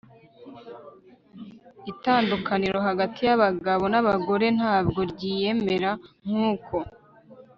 itandukaniro hagati yabagabo nabagore ntabwo ryiyemera nkuko